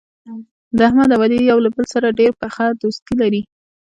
د احمد او علي یو له بل سره ډېره پخه دوستي لري.